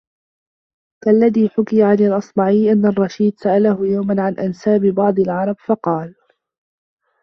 كَاَلَّذِي حُكِيَ عَنْ الْأَصْمَعِيِّ أَنَّ الرَّشِيدَ سَأَلَهُ يَوْمًا عَنْ أَنْسَابِ بَعْضِ الْعَرَبِ فَقَالَ